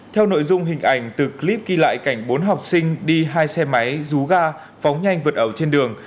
theo nội dung hình ảnh từ clip ghi lại cảnh bốn học sinh đi hai xe máy rú ga phóng nhanh vượt ẩu trên đường